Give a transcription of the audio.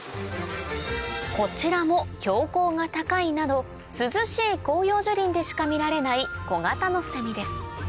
こちらも標高が高いなど涼しい広葉樹林でしか見られない小型のセミです